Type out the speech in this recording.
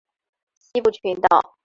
西部群岛。